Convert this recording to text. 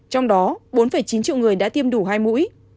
trong đó bốn chín triệu người đã tiêm đủ hai mũi